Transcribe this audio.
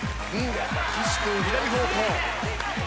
岸君左方向。